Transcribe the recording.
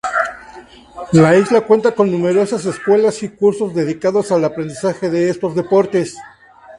La isla cuenta con numerosas escuelas y cursos dedicados al aprendizaje de estos deportes.